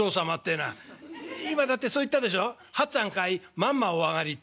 まんまお上がり』って」。